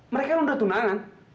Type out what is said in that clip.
mereka udah undur tunangan